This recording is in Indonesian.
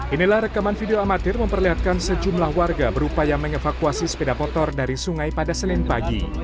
inilah rekaman video amatir memperlihatkan sejumlah warga berupaya mengevakuasi sepeda motor dari sungai pada senin pagi